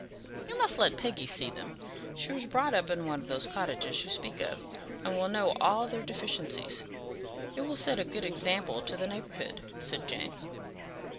"You must let Peggy see them; she was brought up in one of those cottages you speak of, and will know all their deficiencies. It will set a good example to the neighbourhood," said Jane.